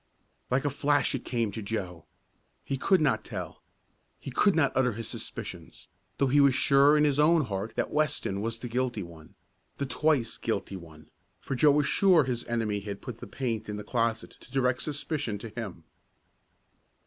Like a flash it came to Joe. He could not tell. He could not utter his suspicions, though he was sure in his own heart that Weston was the guilty one the twice guilty one, for Joe was sure his enemy had put the paint in the closet to direct suspicion to him.